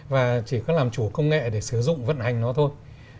và chỉ có làm chủ công nghệ để sử dụng vận hành nó thôi